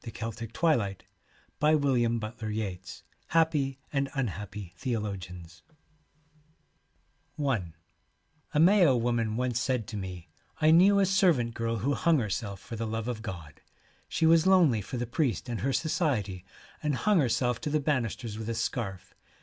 70 HAPPY AND UNHAPPY Happy and THEOLOGIANS i£Kg^ i A Mayo woman once said to me, ' I knew a servant girl who hung herself for the love of God. She was lonely for the priest and her society, 1 and hung herself to the banisters with a scarf.